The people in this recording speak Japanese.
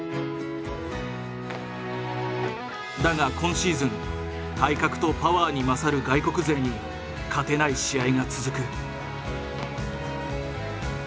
だが今シーズン体格とパワーに勝る外国勢に勝てない試合が続く。